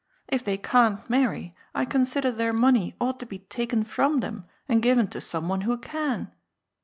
If they can't marry, I consider their money ought to be taken from them and giyen to someone who can."